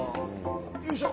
よいしょ。